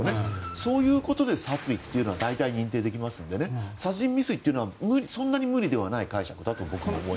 そういうことで殺意というのは大体認定できますので殺人未遂というのはそんなに無理ではない解釈だと僕は思います。